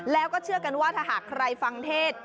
แล้วก็เชื่อกันว่าถ้าหากใครฟังเทศ